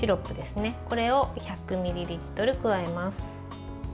これを１００ミリリットル加えます。